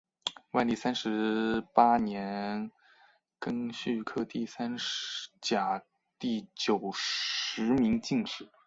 万历三十八年庚戌科第三甲第九十名进士。